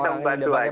ya kita membantu aja